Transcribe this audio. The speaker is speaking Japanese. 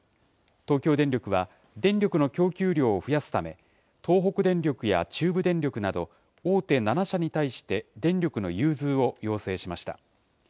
東京電力は、電力の供給量を増やすため、東北電力や中部電力など、大手７社に対して電力の融通を要請しました。